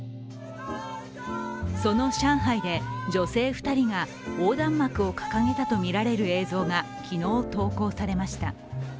その上海で女性２人が横断幕を掲げたとみられる映像が昨日、投稿されました。